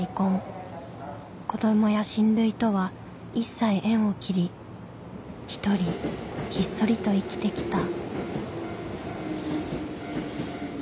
子どもや親類とは一切縁を切り独りひっそりと生きてきた。